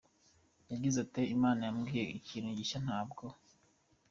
Yagize ati “Imana yambwiye ngo ikintu gishya ntabwo